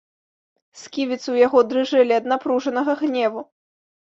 Сківіцы ў яго дрыжэлі ад напружанага гневу.